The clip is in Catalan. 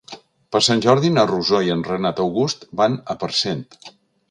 Per Sant Jordi na Rosó i en Renat August van a Parcent.